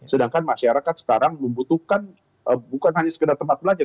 sedangkan masyarakat sekarang membutuhkan bukan hanya sekedar tempat belajar